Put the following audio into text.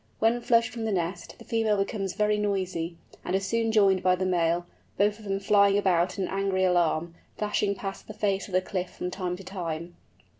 When flushed from the nest, the female becomes very noisy, and is soon joined by the male, both then flying about in angry alarm, dashing past the face of the cliff from time to time.